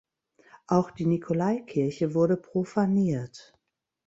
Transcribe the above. Auch die Nikolaikirche wurde profaniert.